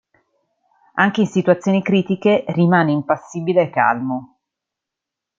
Anche in situazioni critiche rimane impassibile e calmo.